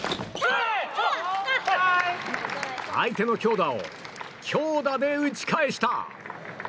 相手の強打を強打で打ち返した！